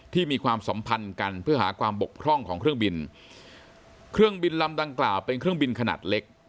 มีความสัมพันธ์กันเพื่อหาความบกพร่องของเครื่องบินเครื่องบินลำดังกล่าวเป็นเครื่องบินขนาดเล็ก